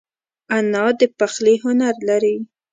انا د پخلي هنر لري